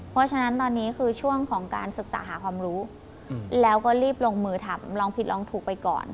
เพราะฉะนั้นตอนนี้คือช่วงของการศึกษาหาความรู้แล้วก็รีบลงมือทำลองผิดลองถูกไปก่อน